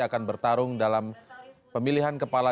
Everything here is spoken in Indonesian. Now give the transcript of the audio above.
akan bertarung dalam pemilihan kepala